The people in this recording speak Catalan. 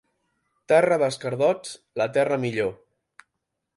Terra d'escardots, la terra millor.